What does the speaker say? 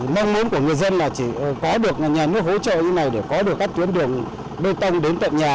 mong muốn của người dân là chỉ có được nhà nước hỗ trợ như này để có được các tuyến đường bê tông đến tận nhà